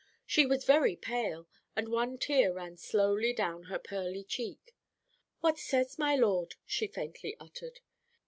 "She was very pale, and one tear ran slowly down her pearly cheek. "'What says my lord?' she faintly uttered.